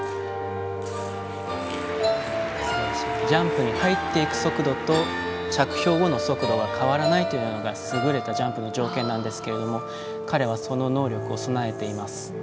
ジャンプに入っていく速度と着氷後の速度が変わらないというのが優れたジャンプの条件なんですが彼は、その能力を備えています。